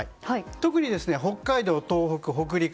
特に北海道、東北、北陸